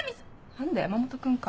何だ山本君か。